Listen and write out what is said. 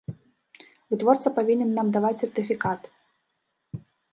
Вытворца павінен нам даваць сертыфікат.